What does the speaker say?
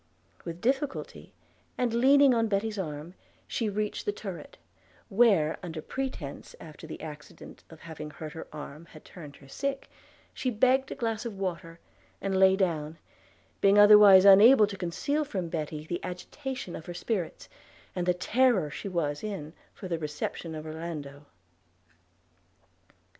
With difficulty, and leaning on Betty's arm, she reached her turret; where, under pretence that the accident of having hurt her arm had turned her sick, she begged a glass of water, and lay down, being otherwise unable to conceal from Betty the agitation of her spirits, and the terror she was in for the reception of Orlando.